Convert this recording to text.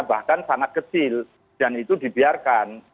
bahkan sangat kecil dan itu dibiarkan